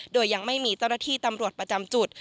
โดยยังไม่มีเจ้าหน้าที่ตำรวจประจำจุด